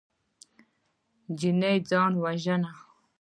نجلۍ ځان وژني.